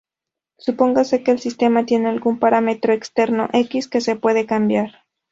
Supóngase que el sistema tiene algún parámetro externo, "x", que se puede cambiar.